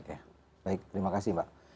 ya baik terima kasih mbak